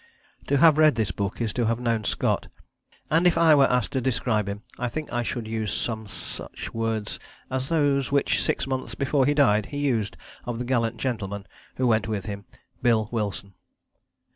To have read this book is to have known Scott; and if I were asked to describe him, I think I should use some such words as those which, six months before he died, he used of the gallant gentleman who went with him, 'Bill' Wilson.